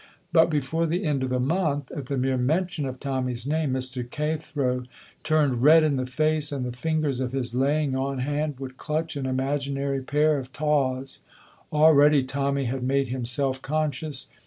But before the end of the month, at the mere mention of Tommy's name, Mr. Cathro turned red in the face, and the fingers of his laying on hand would clutch an imaginary pair of tawse. Already Tommy had made him self conscious.